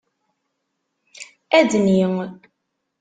Adni.